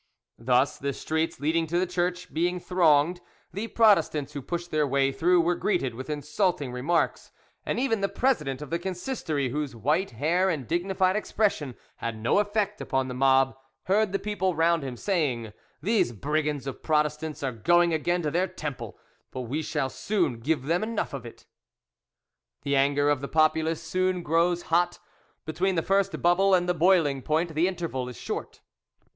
Thus the streets leading to the church being thronged, the Protestants who pushed their way through were greeted with insulting remarks, and even the president of the Consistory, whose white, hair and dignified expression had no effect upon the mob, heard the people round him saying, "These brigands of Protestants are going again to their temple, but we shall soon give them enough of it." The anger of the populace soon grows hot; between the first bubble and the boiling point the interval is short.